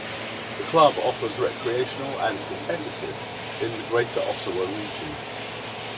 The club offers recreational and competitive in the Greater Ottawa Region.